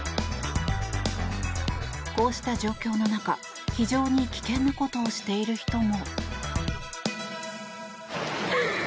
こうした状況の中非常に危険なことをしている人も。